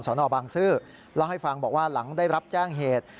นบางซื่อเล่าให้ฟังบอกว่าหลังได้รับแจ้งเหตุ